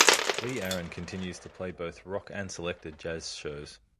Lee Aaron continues to play both rock and selected jazz shows.